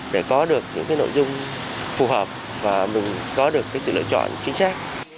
để có được những cái nội dung phù hợp và mình có được sự lựa chọn chính xác